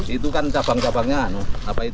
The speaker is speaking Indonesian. itu kan cabang cabangnya